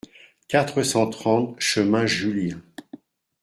quatre cent trente chemin Jullien